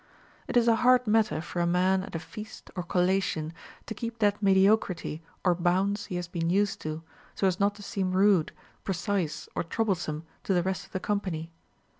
It is a hard matter for a man at a feast or collation to keep that mediocrity or bounds he has been used to, so as not to seem rude, precise, or troublesome to the rest of the com pany.